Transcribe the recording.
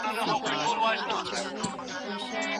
شیدې باید ښه ویشول شي.